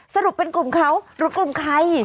สรุปเป็นกลุ่มเขาหรือกลุ่มใคร